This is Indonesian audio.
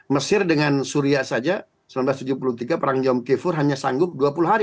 mesir dengan syria saja seribu sembilan ratus tujuh puluh tiga perang jom kifur hanya sanggup dua puluh hari